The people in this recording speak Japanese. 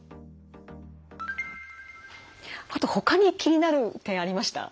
あとほかに気になる点ありました？